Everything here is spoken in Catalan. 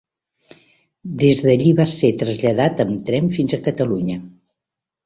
Des d'allí va ser traslladat amb tren fins a Catalunya.